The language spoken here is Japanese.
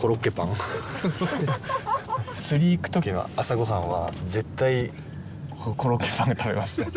釣り行く時の朝ご飯は絶対コロッケパン食べます